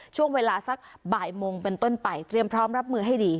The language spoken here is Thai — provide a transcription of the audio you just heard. ช่วงเวลาสักบ่ายโมงเป็นต้นไปเตรียมพร้อมรับมือให้ดี